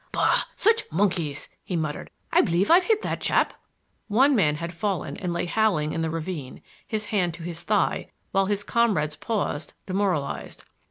"Bah, such monkeys!" he muttered. "I believe I've hit that chap!" One man had fallen and lay howling in the ravine, his hand to his thigh, while his comrades paused, demoralized.